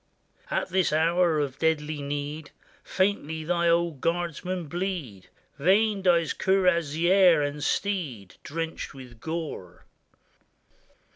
At this hour of deadly need Faintly thy old guardsmen bleed; Vain dies cuirassier and steed, Drenched v/ith gore.